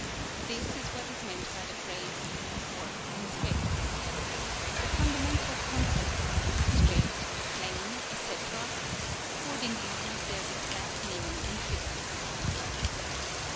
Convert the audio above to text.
This is what is meant by the phrase " a warp in space." The fundamental concepts "straight," "plane," etc., accordingly lose their exact meaning in physics.